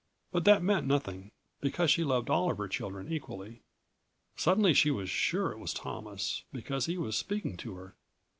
But that meant nothing, because she loved all of her children equally. Suddenly she was sure it was Thomas, because he was speaking to her.